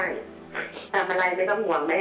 ทำอะไรไม่ต้องห่วงไหม